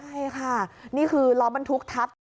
ใช่ค่ะนี่คือล้อบรรทุกทับ